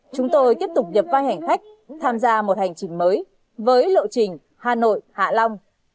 chúng tôi tiếp tục nhập vai hành khách tham gia một hành trình mới với lộ trình hà nội hạ long